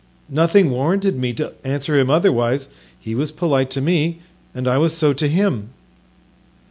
"Nothing warranted me to answer him otherwise; he was polite to me and I was so to him."